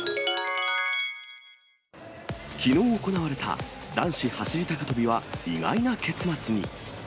きのう行われた男子走り高跳びは意外な結末に。